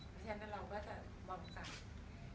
เพราะฉะนั้นเราก็จะบริจาค